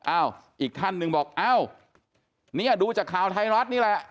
อ้าวอีกท่านหนึ่งบอกอ้าวเนี่ยดูจากข่าวไทยรัฐนี่แหละ